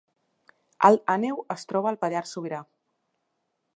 Alt Àneu es troba al Pallars Sobirà